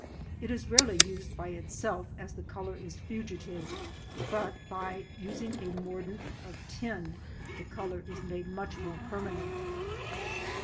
It is rarely used by itself as the colour is fugitive, but by using a mordant of tin, the colour is made much more permanent.